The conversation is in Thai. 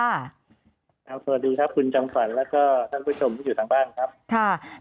สวัสดีครับคุณจำฝันแล้วก็ท่านผู้ชมที่อยู่ทางบ้านครับค่ะ